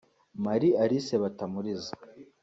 Marie Alice Batamuriza